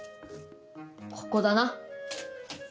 ここだな